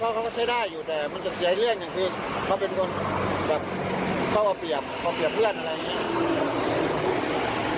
เขาเป็นคนแบบเขาเอาเปรียบเขาเอาเปรียบเพื่อนอะไรอย่างนี้